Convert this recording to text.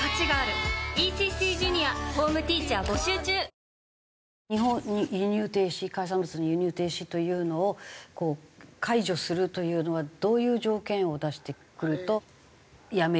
サントリーセサミン輸入停止海産物の輸入停止というのを解除するというのはどういう条件を出してくるとやめる？